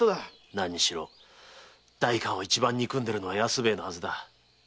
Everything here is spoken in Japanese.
何にしろ代官を一番憎んでいるのは安兵衛のはずだ。